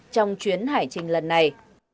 trong chuyến hải trình lần này